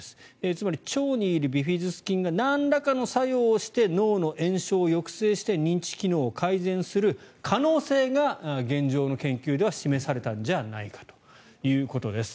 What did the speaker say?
つまり腸にいるビフィズス菌がなんらかの作用をして脳の炎症を抑制して認知機能を改善する可能性が現状の研究では示されたんじゃないかということです。